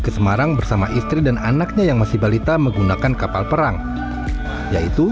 ke semarang bersama istri dan anaknya yang masih balita menggunakan kapal perang yaitu